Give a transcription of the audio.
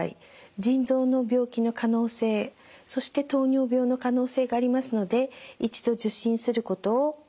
腎臓の病気の可能性そして糖尿病の可能性がありますので一度受診することをお勧めします。